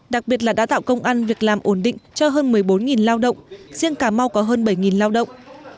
đặc biệt là đã tạo công ăn việc làm ổn định cho hơn một mươi bốn lao động riêng cà mau có hơn bảy lao động